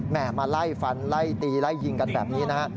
มาไล่ฟันไล่ตีไล่ยิงกันแบบนี้นะฮะ